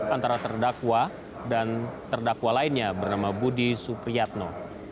antara terdakwa dan terdakwa lainnya bernama budi supriyatno